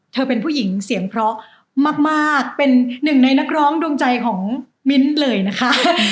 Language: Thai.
เป็นผู้หญิงเสียงเพราะมากเป็นหนึ่งในนักร้องดวงใจของมิ้นเลยนะคะ